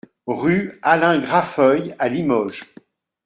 Rue Alain Grafeuil à Limoges